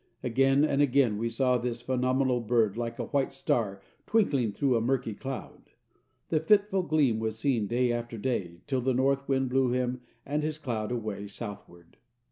Again and again we saw this phenomenal bird like a white star twinkling through a murky cloud. The fitful gleam was seen day after day, till the north wind blew him and his cloud away southward.